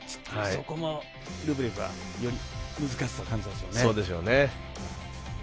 そこもルブレフは難しさを感じるでしょうね。